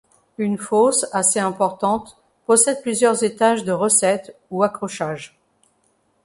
Une fosse assez importante possède plusieurs étages de recettes, ou accrochages.